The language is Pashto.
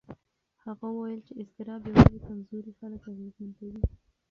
هغه وویل چې اضطراب یوازې کمزوري خلک اغېزمن کوي.